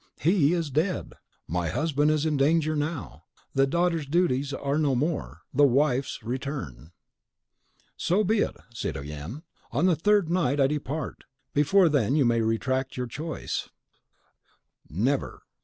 HE is dead dead! My husband is in danger now. The daughter's duties are no more, the wife's return!" "Be it so, citoyenne; on the third night I depart. Before then you may retract your choice." "Never!"